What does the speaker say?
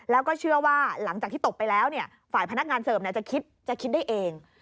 แล้วก็เชื่อว่าหลังจากที่ตกไปแล้วฝ่ายพนักงานเสิร์ฟจะคิดได้เอง